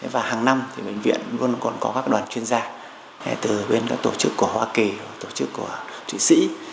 và hàng năm bệnh viện luôn còn có các đoàn chuyên gia từ bên các tổ chức của hoa kỳ tổ chức của thủy sĩ